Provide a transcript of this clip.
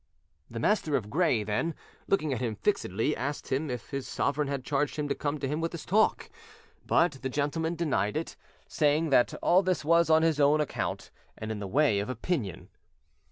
The Master of Gray then, looking at him fixedly, asked him if his sovereign had charged him to come to him with this talk. But the gentleman denied it, saying that all this was on his own account and in the way of opinion.